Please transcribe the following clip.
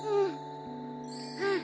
うん。